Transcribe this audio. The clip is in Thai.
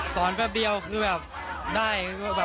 อ๋อสอนแป๊บเดียวคือแบบได้